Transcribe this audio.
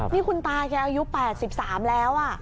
นี่คุณตาแกอายุ๘๓แล้ว